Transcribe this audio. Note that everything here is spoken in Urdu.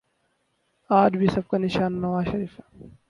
آج بھی سب کا نشانہ نوازشریف ہیں۔